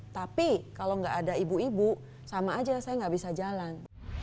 tapi kalau nggak ada ibu ibu sama aja saya nggak bisa jalan